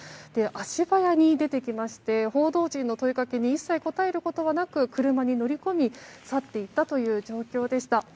足早に出てきまして報道陣の問いかけに一切答えることはなく車に乗り込み去っていったという状況でした。